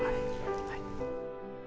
はい。